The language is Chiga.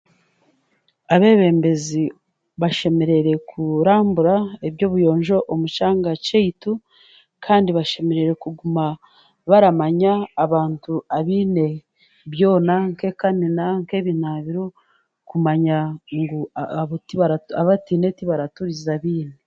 Abebembezi bashemereire kurambura eby'obuyoonjo omu kyanga kyeitu kandi bashemereire kuguma baramanya abantu abeine byona nk'ekamina nk'ebinaabiro kumanya agu abateine tibaraturiza abeine.